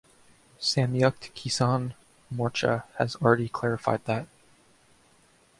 Samyukt Kisan Morcha has already clarified that.